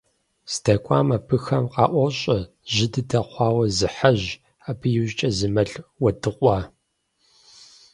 ЗдэкӀуэм абыхэм къаӀуощӀэ жьы дыдэ хъуауэ зы хьэжь, абы и ужькӀэ зы мэл уэдыкъуа.